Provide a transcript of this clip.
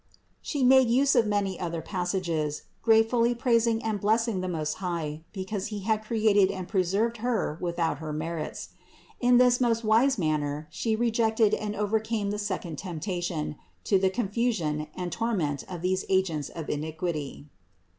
She made use of many other passages, gratefully praising and blessing the Most High, because He had created and preserved Her without her merits. In this most wise manner She re jected and overcame the second temptation, to the con fusion and torment of these agents of iniquity.